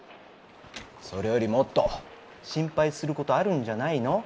それよりもっと心配することあるんじゃないの？